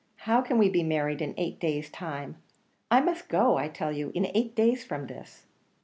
How can we be married in eight days' time? I must go, I tell you, in eight days from this."